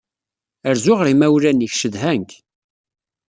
Rzu ɣer imawlan-ik, ccedhan-k.